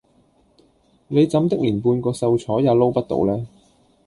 你怎的連半個秀才也撈不到呢